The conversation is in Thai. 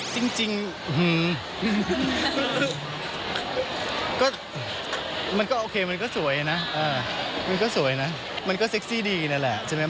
จริงเฮ้าค่ะมันก็โอเคมันก็สวยนะมันก็เสกซี่ดีน่ะล่ะใช่ไหม